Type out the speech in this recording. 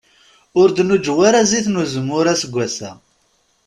Ur d-nuǧew ara zzit n uzemmur aseggas-a.